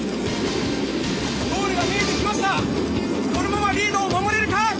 ゴールが見えてきました、このままリードを守れるか？